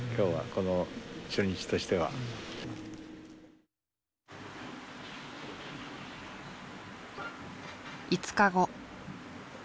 この初日としては。５日後。